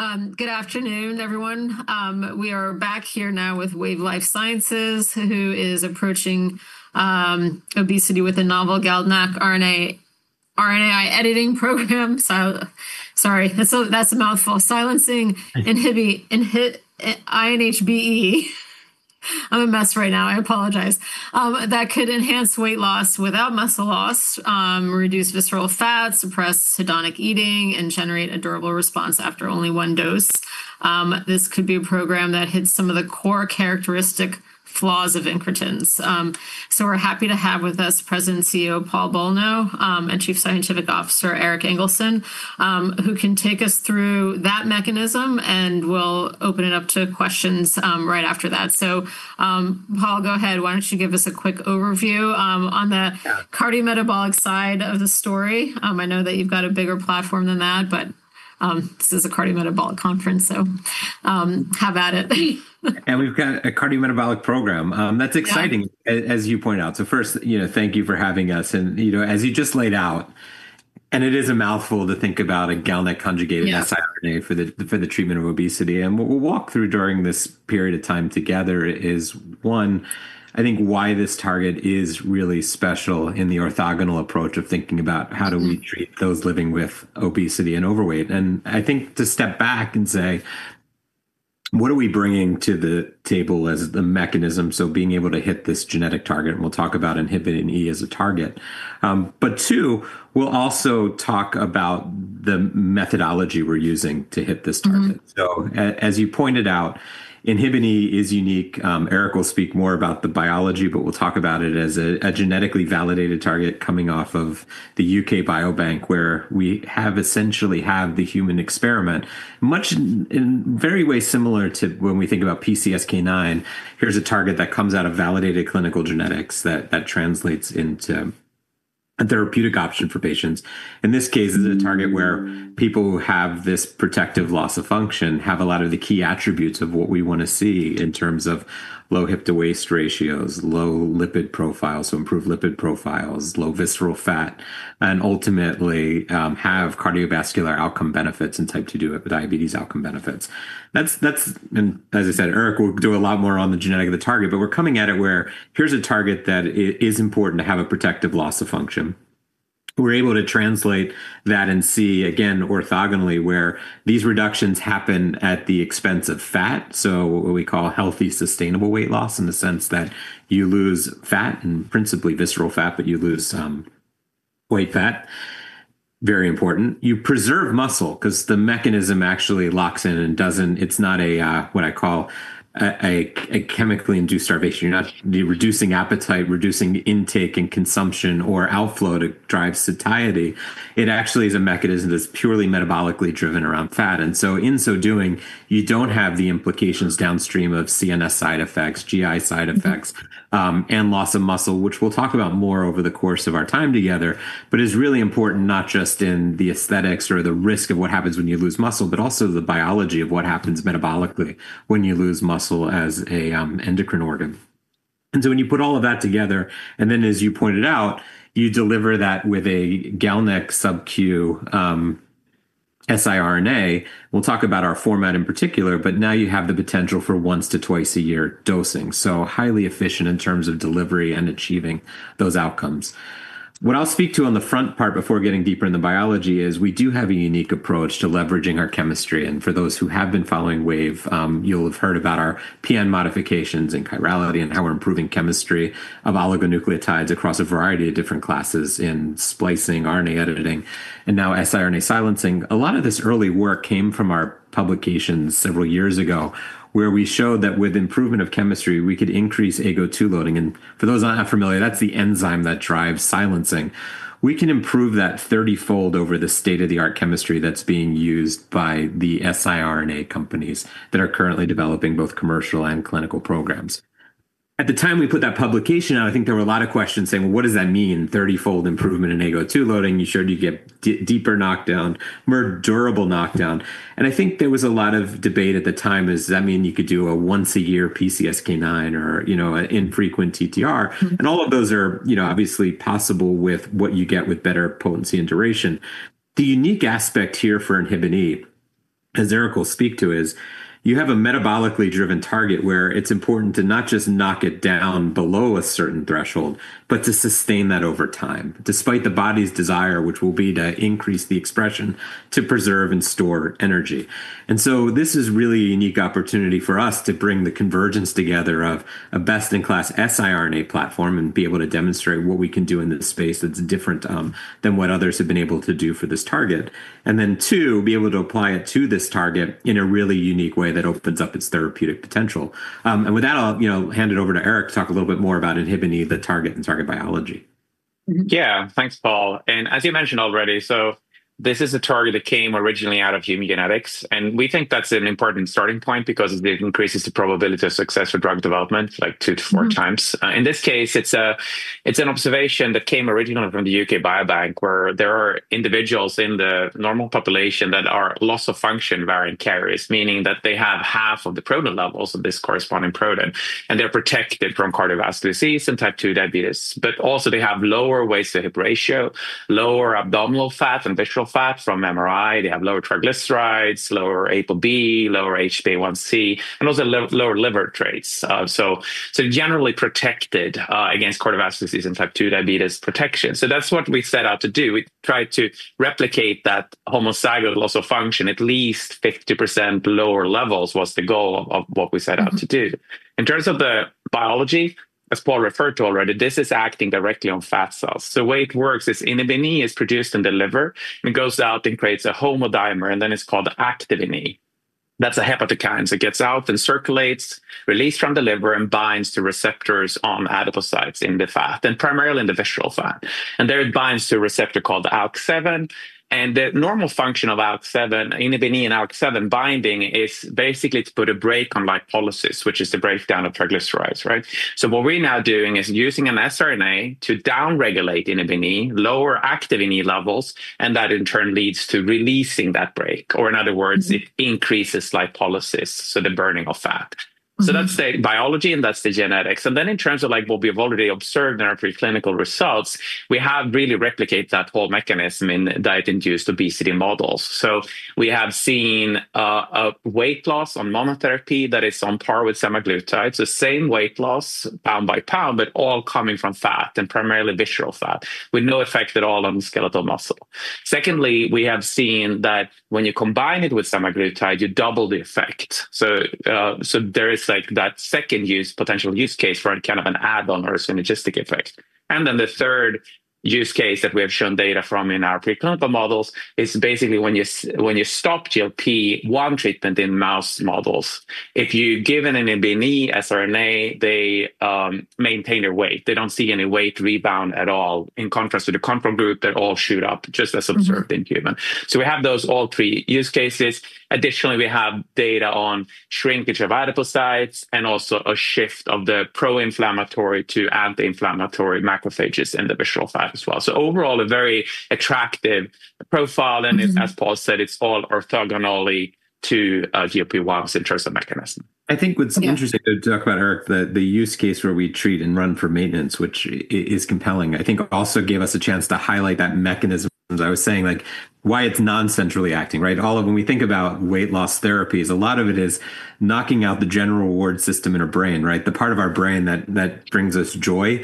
Good afternoon, everyone. We are back here now with Wave Life Sciences, who is approaching obesity with a novel GalNAc RNAi editing program. Sorry, that's a mouthful. Silencing INHBE. I apologize. That could enhance weight loss without muscle loss, reduce visceral fat, suppress hedonic eating, and generate a durable response after only one dose. This could be a program that hits some of the core characteristic flaws of incretins. We are happy to have with us President and CEO Paul Bolno and Chief Scientific Officer Erik Ingelsson, who can take us through that mechanism and we'll open it up to questions right after that. Paul, go ahead. Why don't you give us a quick overview on the cardiometabolic side of the story? I know that you've got a bigger platform than that, but this is a cardiometabolic conference, so have at it. We have a cardiometabolic program. That's exciting, as you point out. First, thank you for having us. As you just laid out, it is a mouthful to think about a GalNAc-conjugated siRNA for the treatment of obesity. What we'll walk through during this period of time together is, one, I think why this target is really special in the orthogonal approach of thinking about how do we treat those living with obesity and overweight. I think to step back and say, what are we bringing to the table as the mechanism? Being able to hit this genetic target, and we'll talk about INHBE as a target. We'll also talk about the methodology we're using to hit this target. As you pointed out, INHBE is unique. Erik will speak more about the biology, but we'll talk about it as a genetically validated target coming off of the UK Biobank, where we have essentially had the human experiment, in many ways similar to when we think about PCSK9. Here's a target that comes out of validated clinical genetics that translates into a therapeutic option for patients. In this case, this is a target where people who have this protective loss of function have a lot of the key attributes of what we want to see in terms of low hepato-waist ratios, low lipid profiles, so improved lipid profiles, low visceral fat, and ultimately have cardiovascular outcome benefits and type 2 diabetes outcome benefits. As I said, Erik will do a lot more on the genetics of the target, but we're coming at it where here's a target that is important to have a protective loss of function. We're able to translate that and see again orthogonally where these reductions happen at the expense of fat. What we call healthy sustainable weight loss in the sense that you lose fat and principally visceral fat, but you lose weight fat. Very important. You preserve muscle because the mechanism actually locks in and doesn't, it's not what I call a chemically induced starvation. You're not reducing appetite, reducing intake and consumption or outflow to drive satiety. It actually is a mechanism that's purely metabolically driven around fat. In so doing, you don't have the implications downstream of CNS side effects, GI side effects, and loss of muscle, which we'll talk about more over the course of our time together, but is really important not just in the aesthetics or the risk of what happens when you lose muscle, but also the biology of what happens metabolically when you lose muscle as an endocrine organ. When you put all of that together, and then as you pointed out, you deliver that with a GalNAc sub-Q siRNA. We'll talk about our format in particular, but now you have the potential for once to twice a year dosing. Highly efficient in terms of delivery and achieving those outcomes. What I'll speak to on the front part before getting deeper in the biology is we do have a unique approach to leveraging our chemistry. For those who have been following Wave Life Sciences, you'll have heard about our PN modifications in chirality and how we're improving chemistry of oligonucleotides across a variety of different classes in splicing, RNA editing, and now siRNA silencing. A lot of this early work came from our publications several years ago where we showed that with improvement of chemistry, we could increase AGO2 loading. For those not familiar, that's the enzyme that drives silencing. We can improve that 30-fold over the state-of-the-art chemistry that's being used by the siRNA companies that are currently developing both commercial and clinical programs. At the time we put that publication out, I think there were a lot of questions saying, what does that mean, 30-fold improvement in AGO2 loading? You showed you get deeper knockdown, more durable knockdown. I think there was a lot of debate at the time, does that mean you could do a once-a-year PCSK9 or, you know, an infrequent TTR? All of those are obviously possible with what you get with better potency and duration. The unique aspect here for INHBE, as Erik Ingelsson will speak to, is you have a metabolically driven target where it's important to not just knock it down below a certain threshold, but to sustain that over time, despite the body's desire, which will be to increase the expression to preserve and store energy. This is really a unique opportunity for us to bring the convergence together of a best-in-class siRNA platform and be able to demonstrate what we can do in this space that's different than what others have been able to do for this target. To be able to apply it to this target in a really unique way that opens up its therapeutic potential. With that, I'll hand it over to Erik to talk a little bit more about INHBE, the target, and target biology. Yeah, thanks Paul. As you mentioned already, this is a target that came originally out of human genetics. We think that's an important starting point because it increases the probability of success for drug development, like 2 to 4 times. In this case, it's an observation that came originally from the UK Biobank where there are individuals in the normal population that are loss of function variant carriers, meaning that they have half of the protein levels of this corresponding protein, and they're protected from cardiovascular disease and type 2 diabetes. They also have lower waist-to-hip ratio, lower abdominal fat and visceral fat from MRI. They have lower triglycerides, lower ApoB, lower HbA1c, and also lower liver traits. Generally, they are protected against cardiovascular disease and type 2 diabetes protection. That's what we set out to do. We tried to replicate that homozygous loss of function, at least 50% lower levels was the goal of what we set out to do. In terms of the biology, as Paul referred to already, this is acting directly on fat cells. The way it works is INHBE is produced in the liver, and it goes out and creates a homodimer, and then it's called activin. That's a hepatokine that gets out and circulates, released from the liver, and binds to receptors on adipocytes in the fat, primarily in the visceral fat. There it binds to a receptor called ALK7. The normal function of ALK7, INHBE and ALK7 binding is basically to put a brake on lipolysis, which is a breakdown of triglycerides, right? What we're now doing is using an siRNA to down-regulate INHBE, lower activin levels, and that in turn leads to releasing that brake. In other words, it increases lipolysis, so the burning of fat. That's the biology, and that's the genetics. In terms of what we've already observed in our preclinical results, we have really replicated that whole mechanism in diet-induced obesity models. We have seen a weight loss on monotherapy that is on par with semaglutide, the same weight loss pound by pound, but all coming from fat and primarily visceral fat with no effect at all on the skeletal muscle. Secondly, we have seen that when you combine it with semaglutide, you double the effect. There is that second potential use case for kind of an add-on or synergistic effect. The third use case that we have shown data from in our preclinical models is basically when you stop GLP-1 treatment in mouse models. If you give an INHBE siRNA, they maintain their weight. They don't see any weight rebound at all. In contrast to the control group, they all shoot up just as observed in humans. We have those all three use cases. Additionally, we have data on shrinkage of adipocytes and also a shift of the pro-inflammatory to anti-inflammatory macrophages in the visceral fat as well. Overall, a very attractive profile. As Paul said, it's all orthogonally to GLP-1 in terms of mechanism. I think what's interesting to talk about, Erik, the use case where we treat and run for maintenance, which is compelling, also gave us a chance to highlight that mechanism. I was saying like why it's non-centrally acting, right? All of when we think about weight loss therapies, a lot of it is knocking out the general reward system in our brain, right? The part of our brain that brings us joy.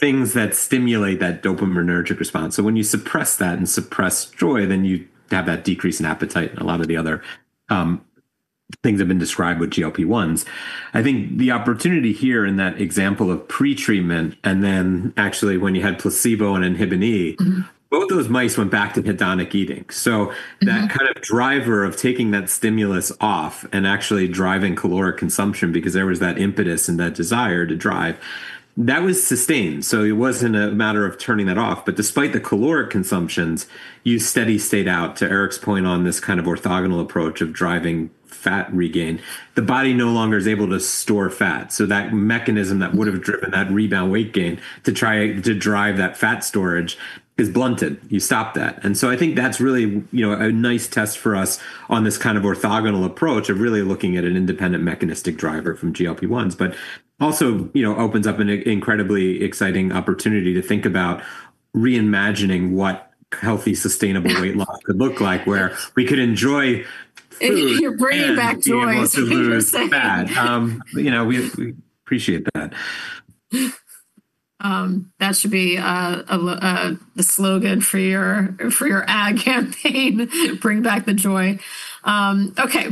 Things that stimulate that dopaminergic response. When you suppress that and suppress joy, then you have that decrease in appetite and a lot of the other things that have been described with GLP-1s. I think the opportunity here in that example of pre-treatment and then actually when you had placebo and INHBE, both those mice went back to hedonic eating. That kind of driver of taking that stimulus off and actually driving caloric consumption because there was that impetus and that desire to drive, that was sustained. It wasn't a matter of turning that off. Despite the caloric consumptions, you steady stayed out to Erik's point on this kind of orthogonal approach of driving fat regain. The body no longer is able to store fat. That mechanism that would have driven that rebound weight gain to try to drive that fat storage is blunted. You stopped that. I think that's really a nice test for us on this kind of orthogonal approach of really looking at an independent mechanistic driver from GLP-1s. It also opens up an incredibly exciting opportunity to think about reimagining what healthy sustainable weight loss could look like where we could enjoy food. You are bringing back joy. It's bad. We appreciate that. That should be a slogan for your ad campaign. Bring back the joy. Okay,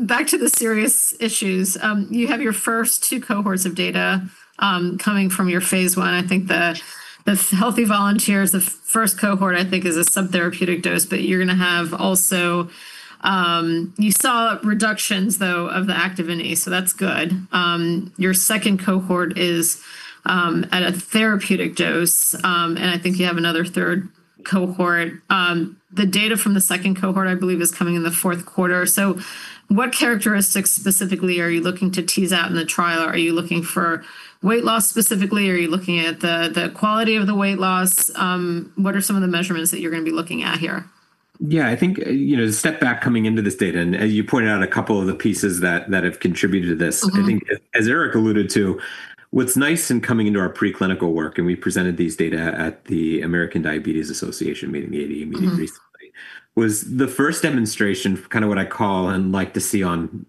back to the serious issues. You have your first two cohorts of data coming from your phase 1. I think the healthy volunteers, the first cohort I think is a subtherapeutic dose, but you're going to have also, you saw reductions though of the activins, so that's good. Your second cohort is at a therapeutic dose, and I think you have another third cohort. The data from the second cohort I believe is coming in the fourth quarter. What characteristics specifically are you looking to tease out in the trial? Are you looking for weight loss specifically? Are you looking at the quality of the weight loss? What are some of the measurements that you're going to be looking at here? Yeah, I think, you know, to step back coming into this data, and as you pointed out a couple of the pieces that have contributed to this, I think as Erik alluded to, what's nice in coming into our preclinical work, and we presented these data at the American Diabetes Association meeting, the ADA meeting recently, was the first demonstration, kind of what I call and like to see on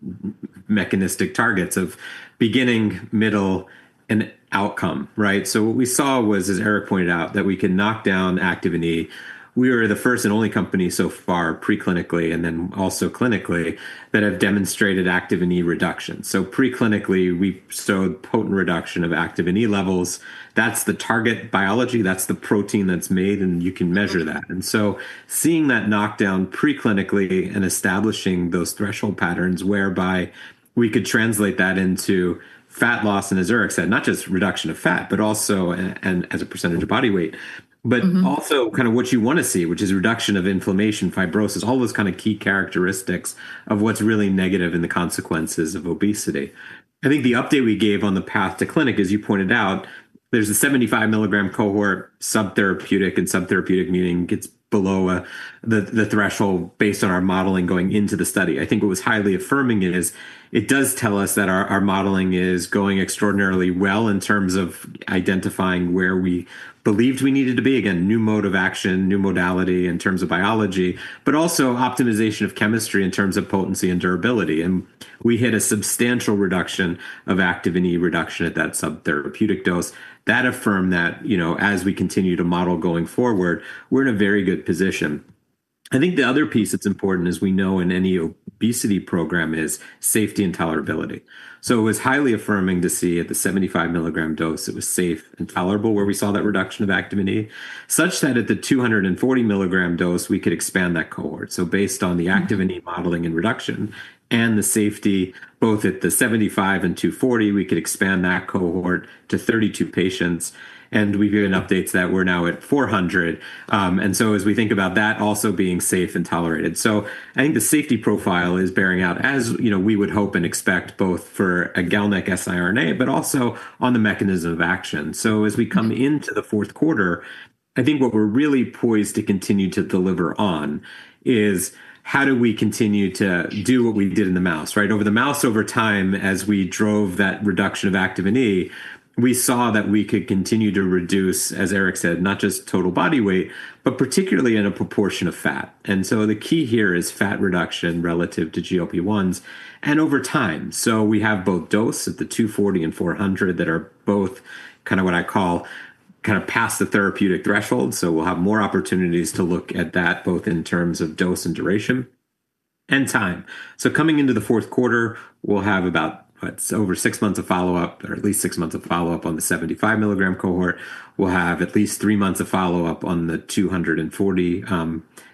mechanistic targets of beginning, middle, and outcome, right? What we saw was, as Erik pointed out, that we can knock down activine. We were the first and only company so far preclinically and then also clinically that have demonstrated activine reduction. Preclinically, we showed potent reduction of activine levels. That's the target biology. That's the protein that's made, and you can measure that. Seeing that knockdown preclinically and establishing those threshold patterns whereby we could translate that into fat loss, and as Erik said, not just reduction of fat, but also as a % of body weight, but also kind of what you want to see, which is reduction of inflammation, fibrosis, all those kind of key characteristics of what's really negative in the consequences of obesity. I think the update we gave on the path to clinic, as you pointed out, there's a 75 mg cohort subtherapeutic, and subtherapeutic meaning it's below the threshold based on our modeling going into the study. What was highly affirming is it does tell us that our modeling is going extraordinarily well in terms of identifying where we believed we needed to be. Again, new mode of action, new modality in terms of biology, but also optimization of chemistry in terms of potency and durability. We hit a substantial reduction of activine reduction at that subtherapeutic dose. That affirmed that, you know, as we continue to model going forward, we're in a very good position. The other piece that's important is we know in any obesity program is safety and tolerability. It was highly affirming to see at the 75 mg dose it was safe and tolerable where we saw that reduction of activine, such that at the 240 mg dose we could expand that cohort. Based on the activine modeling and reduction and the safety, both at the 75 and 240, we could expand that cohort to 32 patients, and we get an update to that we're now at 400. As we think about that also being safe and tolerated. I think the safety profile is bearing out as, you know, we would hope and expect both for a GalNAc-conjugated siRNA, but also on the mechanism of action. As we come into the fourth quarter, I think what we're really poised to continue to deliver on is how do we continue to do what we did in the mouse, right? Over the mouse, over time, as we drove that reduction of activin, we saw that we could continue to reduce, as Erik said, not just total body weight, but particularly in a proportion of fat. The key here is fat reduction relative to GLP-1s and over time. We have both dose at the 240 and 400 that are both kind of what I call kind of past the therapeutic threshold. We'll have more opportunities to look at that both in terms of dose and duration and time. Coming into the fourth quarter, we'll have about over six months of follow-up or at least six months of follow-up on the 75mg cohort. We'll have at least three months of follow-up on the 240,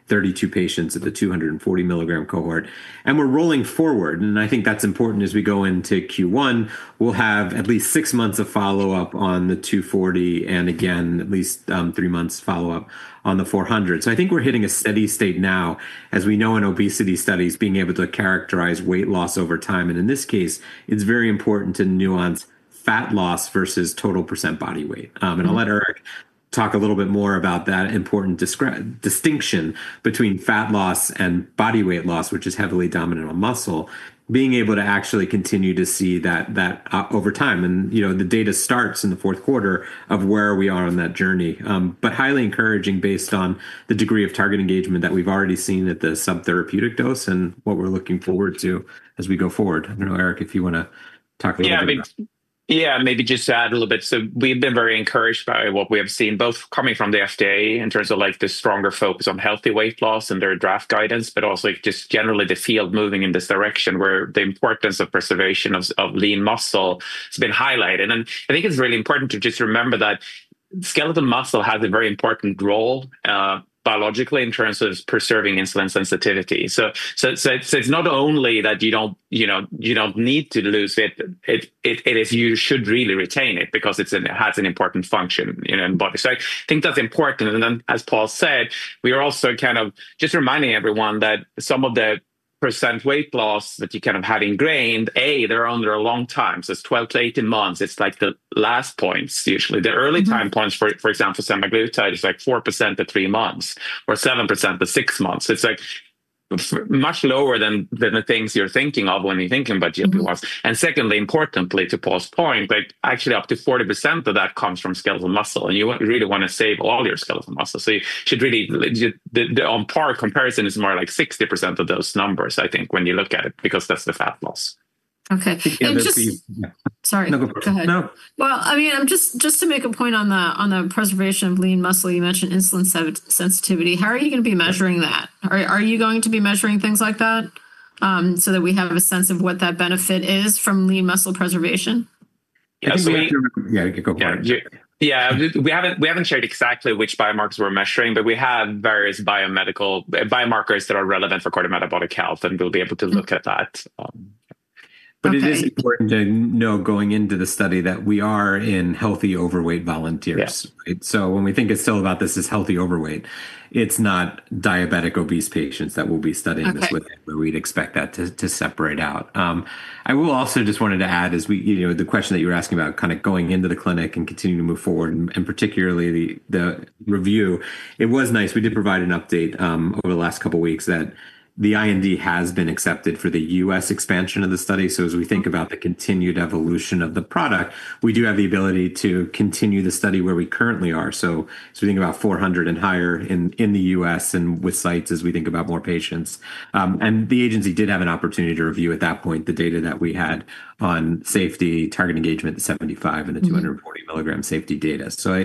32 patients of the 240mg cohort. We're rolling forward, and I think that's important as we go into Q1. We'll have at least six months of follow-up on the 240 and again at least three months follow-up on the 400. I think we're hitting a steady state now, as we know in obesity studies, being able to characterize weight loss over time. In this case, it's very important to nuance fat loss versus total % body weight. I'll let Erik talk a little bit more about that important distinction between fat loss and body weight loss, which is heavily dominant on muscle, being able to actually continue to see that over time. The data starts in the fourth quarter of where we are on that journey, but highly encouraging based on the degree of target engagement that we've already seen at the subtherapeutic dose and what we're looking forward to as we go forward. I don't know, Erik, if you want to talk a little bit. Yeah, maybe just to add a little bit. We have been very encouraged by what we have seen, both coming from the FDA in terms of the stronger focus on healthy weight loss and their draft guidance, but also generally the field moving in this direction where the importance of preservation of lean muscle has been highlighted. I think it's really important to just remember that skeletal muscle has a very important role biologically in terms of preserving insulin sensitivity. It's not only that you don't need to lose it, you should really retain it because it has an important function in the body. I think that's important. As Paul said, we are also just reminding everyone that some of the % weight loss that you had ingrained, they're under a long time. It's 12-18 months. It's the last points usually. The early time points, for example, for semaglutide is 4% at three months or 7% at six months. It's much lower than the things you're thinking of when you're thinking about GLP-1s. Importantly, to Paul's point, actually up to 40% of that comes from skeletal muscle. You really want to save all your skeletal muscle. The on par comparison is more like 60% of those numbers, I think, when you look at it because that's the fat loss. Sorry. Go ahead. I mean, just to make a point on the preservation of lean muscle, you mentioned insulin sensitivity. How are you going to be measuring that? Are you going to be measuring things like that so that we have a sense of what that benefit is from lean muscle preservation? Yeah, we haven't shared exactly which biomarkers we're measuring, but we have various biomarkers that are relevant for cardiometabolic health, and we'll be able to look at that. It is important to know going into the study that we are in healthy overweight volunteers. When we think about this, it's healthy overweight. It's not diabetic obese patients that we'll be studying this with, where we'd expect that to separate out. I also just wanted to add, the question that you were asking about kind of going into the clinic and continuing to move forward, and particularly the review, it was nice. We did provide an update over the last couple of weeks that the IND has been accepted for the U.S. expansion of the study. As we think about the continued evolution of the product, we do have the ability to continue the study where we currently are. As we think about 400 and higher in the U.S. and with sites as we think about more patients. The agency did have an opportunity to review at that point the data that we had on safety, target engagement, the 75 and the 240 milligram safety data.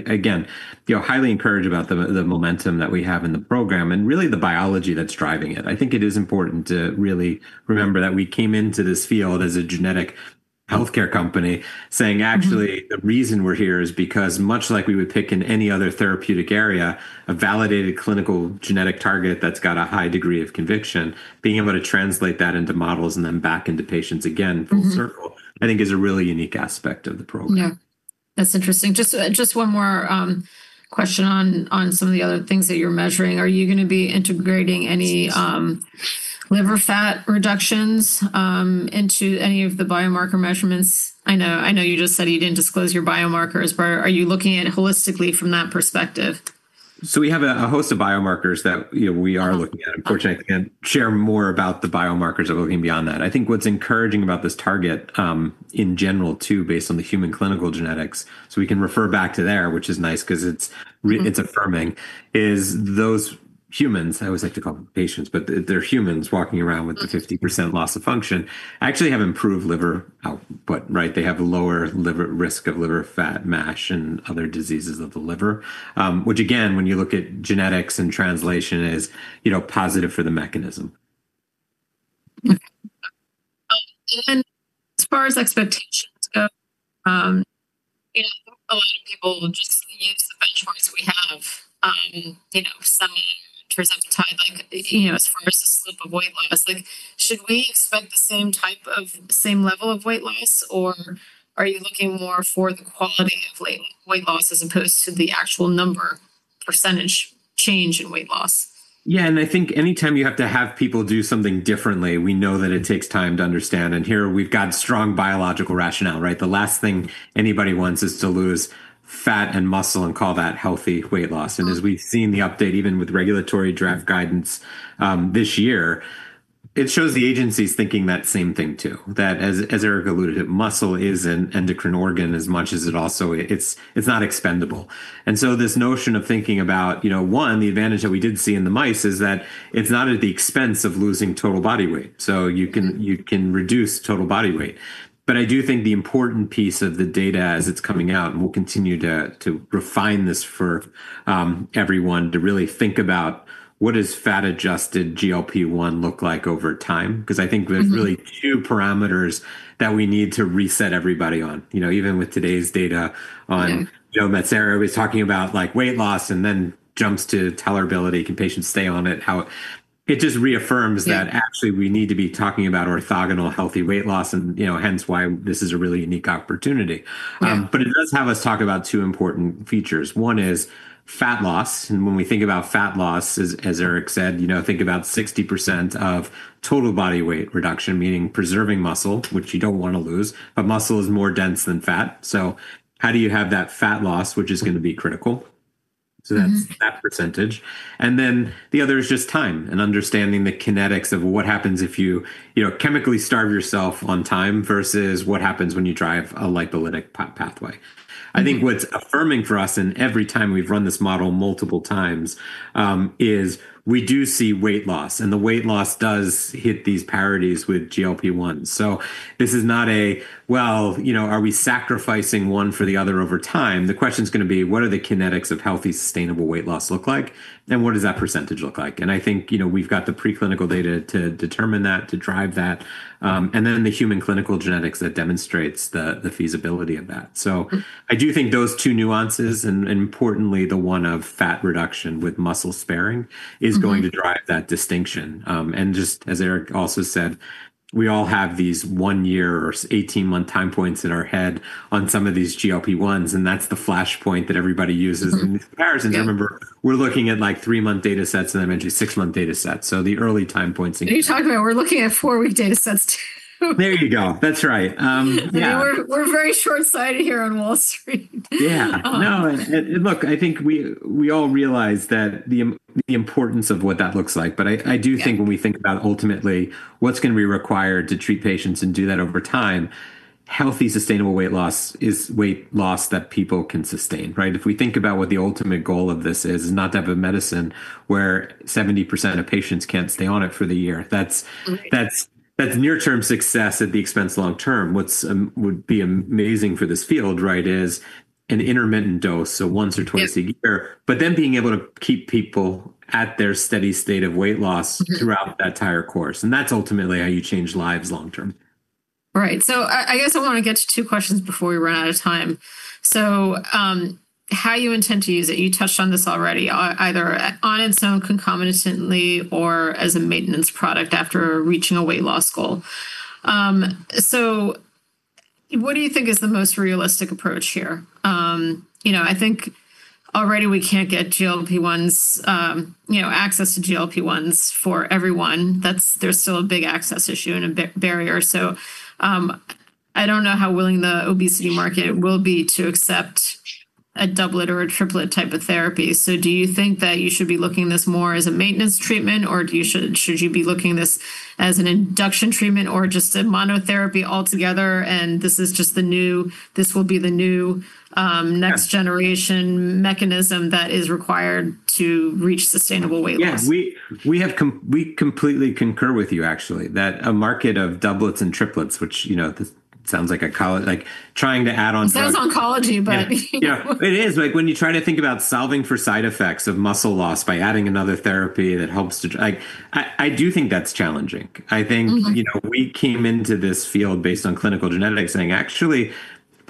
Again, highly encouraged about the momentum that we have in the program and really the biology that's driving it. I think it is important to really remember that we came into this field as a genetic healthcare company saying, actually, the reason we're here is because much like we would pick in any other therapeutic area, a validated clinical genetic target that's got a high degree of conviction, being able to translate that into models and then back into patients again, I think is a really unique aspect of the program. Yeah, that's interesting. Just one more question on some of the other things that you're measuring. Are you going to be integrating any liver fat reductions into any of the biomarker measurements? I know you just said you didn't disclose your biomarkers, but are you looking at it holistically from that perspective? We have a host of biomarkers that we are looking at, and share more about the biomarkers that we're looking beyond that. I think what's encouraging about this target in general too, based on the human clinical genetics, we can refer back to there, which is nice because it's affirming, is those humans, I always like to call them patients, but they're humans walking around with the 50% loss of function, actually have improved liver output, right? They have a lower risk of liver fat, MASH, and other diseases of the liver, which again, when you look at genetics and translation, is positive for the mechanism. Even as far as expectations go, a lot of people just use the benchmarks that we have, semaglutide as far as the slip of weight loss. Should we expect the same type of same level of weight loss, or are you looking more for the quality of weight loss as opposed to the actual number % change in weight loss? Yeah, I think anytime you have to have people do something differently, we know that it takes time to understand. Here we've got strong biological rationale, right? The last thing anybody wants is to lose fat and muscle and call that healthy weight loss. As we've seen the update, even with regulatory draft guidance this year, it shows the agency's thinking that same thing too, that as Erik alluded to, muscle is an endocrine organ as much as it also, it's not expendable. This notion of thinking about, you know, one, the advantage that we did see in the mice is that it's not at the expense of losing total body weight. You can reduce total body weight. I do think the important piece of the data as it's coming out, and we'll continue to refine this for everyone to really think about what does fat-adjusted GLP-1 look like over time. I think we have really two parameters that we need to reset everybody on. Even with today's data on Joe Mazzaro, he's talking about like weight loss and then jumps to tolerability. Can patients stay on it? It just reaffirms that actually we need to be talking about orthogonal healthy weight loss, and you know, hence why this is a really unique opportunity. It does have us talk about two important features. One is fat loss. When we think about fat loss, as Erik said, you know, think about 60% of total body weight reduction, meaning preserving muscle, which you don't want to lose, but muscle is more dense than fat. How do you have that fat loss, which is going to be critical? That's that percentage. The other is just time and understanding the kinetics of what happens if you, you know, chemically starve yourself on time versus what happens when you drive a lipolytic pathway. I think what's affirming for us, and every time we've run this model multiple times, is we do see weight loss, and the weight loss does hit these parities with GLP-1. This is not a, well, you know, are we sacrificing one for the other over time? The question's going to be, what do the kinetics of healthy sustainable weight loss look like, and what does that percentage look like? I think we've got the preclinical data to determine that, to drive that, and then the human clinical genetics that demonstrates the feasibility of that. I do think those two nuances, and importantly, the one of fat reduction with muscle sparing, is going to drive that distinction. Just as Erik also said, we all have these one year or 18-month time points in our head on some of these GLP-1s, and that's the flash point that everybody uses in these comparisons. Remember, we're looking at like three-month data sets and then six-month data sets. The early time points. He talked about we're looking at four-week data sets. There you go. That's right. We're very short-sighted here on Wall Street. Yeah. No, I think we all realize the importance of what that looks like, but I do think when we think about ultimately what's going to be required to treat patients and do that over time, healthy sustainable weight loss is weight loss that people can sustain, right? If we think about what the ultimate goal of this is, it's not to have a medicine where 70% of patients can't stay on it for the year. That's near-term success at the expense of long-term. What would be amazing for this field, right, is an intermittent dose, once or twice a year, but then being able to keep people at their steady state of weight loss throughout that entire course. That's ultimately how you change lives long-term. Right. I want to get to two questions before we run out of time. How you intend to use it, you touched on this already, either on its own concomitantly or as a maintenance product after reaching a weight loss goal. What do you think is the most realistic approach here? I think already we can't get GLP-1s, access to GLP-1s for everyone. That's still a big access issue and a barrier. I don't know how willing the obesity market will be to accept a doublet or a triplet type of therapy. Do you think that you should be looking at this more as a maintenance treatment, or should you be looking at this as an induction treatment or just a monotherapy altogether? This is just the new, this will be the new next generation mechanism that is required to reach sustainable weight loss. Yeah, we completely concur with you, actually, that a market of doublets and triplets, which, you know, this sounds like a college, like trying to add on. It sounds like oncology. Yeah, it is. When you try to think about solving for side effects of muscle loss by adding another therapy that helps to, I do think that's challenging. I think we came into this field based on clinical genetics saying actually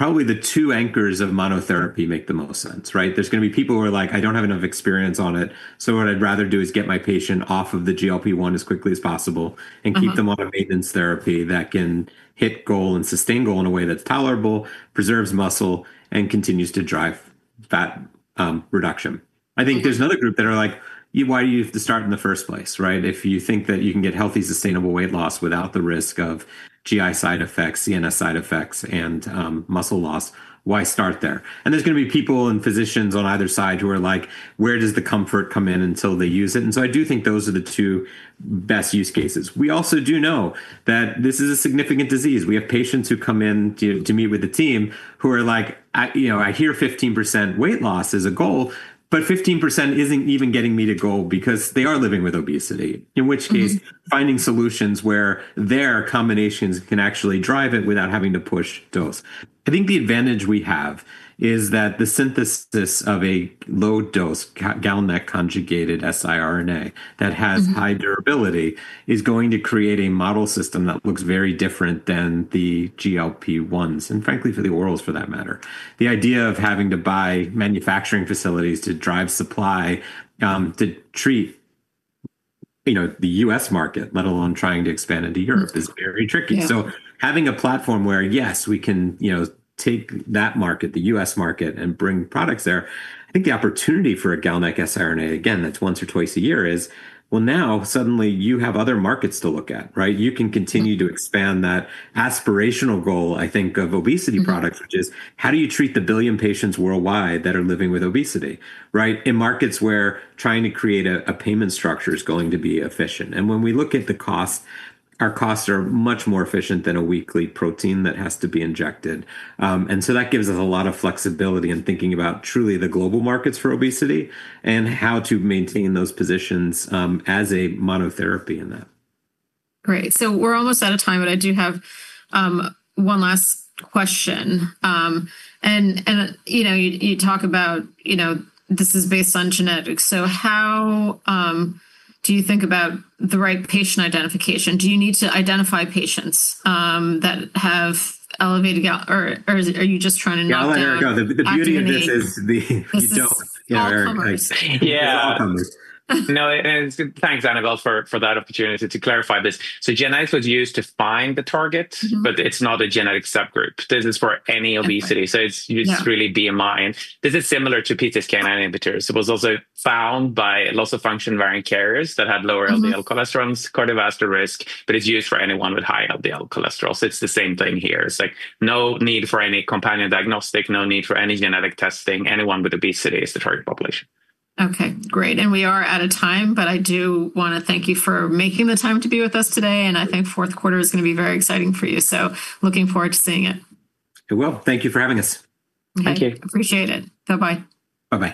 probably the two anchors of monotherapy make the most sense, right? There's going to be people who are like, I don't have enough experience on it. What I'd rather do is get my patient off of the GLP-1 as quickly as possible and keep them on a maintenance therapy that can hit goal and sustain goal in a way that's tolerable, preserves muscle, and continues to drive fat reduction. I think there's another group that are like, why do you have to start in the first place, right? If you think that you can get healthy, sustainable weight loss without the risk of GI side effects, CNS side effects, and muscle loss, why start there? There are going to be people and physicians on either side who are like, where does the comfort come in until they use it? I do think those are the two best use cases. We also do know that this is a significant disease. We have patients who come in to meet with the team who are like, I hear 15% weight loss is a goal, but 15% isn't even getting me to goal because they are living with obesity, in which case finding solutions where their combinations can actually drive it without having to push dose. I think the advantage we have is that the synthesis of a low dose GalNAc-conjugated siRNA that has high durability is going to create a model system that looks very different than the GLP-1s and frankly for the orals for that matter. The idea of having to buy manufacturing facilities to drive supply to treat the U.S. market, let alone trying to expand into Europe, is very tricky. Having a platform where yes, we can take that market, the U.S. market, and bring products there. I think the opportunity for a GalNAc-conjugated siRNA, again, that's once or twice a year is, now suddenly you have other markets to look at, right? You can continue to expand that aspirational goal, I think, of obesity products, which is how do you treat the billion patients worldwide that are living with obesity, right? In markets where trying to create a payment structure is going to be efficient. When we look at the cost, our costs are much more efficient than a weekly protein that has to be injected. That gives us a lot of flexibility in thinking about truly the global markets for obesity and how to maintain those positions as a monotherapy in that. Great. We're almost out of time, but I do have one last question. You talk about, you know, this is based on genetics. How do you think about the right patient identification? Do you need to identify patients that have elevated, or are you just trying to know? I'll let Erik go. The beauty of this is you don't, yeah, Erik. Yeah. No, thanks, Anne-Marie, for that opportunity to clarify this. Genetics was used to find the targets, but it's not a genetic subgroup. This is for any obesity. It's used really BMI, and this is similar to PCSK9 inhibitors. It was also found by loss of function variant carriers that had lower LDL cholesterols, cardiovascular risk, but it's used for anyone with high LDL cholesterol. It's the same thing here. There's no need for any companion diagnostic, no need for any genetic testing. Anyone with obesity is the target population. Okay, great. We are out of time, but I do want to thank you for making the time to be with us today. I think fourth quarter is going to be very exciting for you. Looking forward to seeing it. It will. Thank you for having us. Okay, appreciate it. Bye-bye. Bye-bye.